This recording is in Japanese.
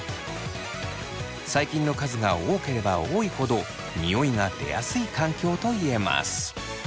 細菌の数が多ければ多いほどニオイが出やすい環境といえます。